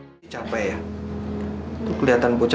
sampai jumpa di video selanjutnya